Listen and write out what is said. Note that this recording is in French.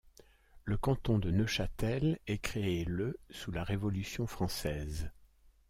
Le canton de Neufchâtel est créé le sous la Révolution française.